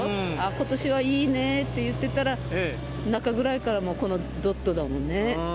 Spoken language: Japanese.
ことしはいいねって言ってたら、中ぐらいからもう、このどっとだもんね。